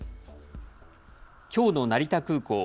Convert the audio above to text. きょうの成田空港。